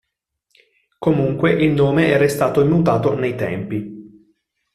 Comunque il nome è restato immutato nei tempi.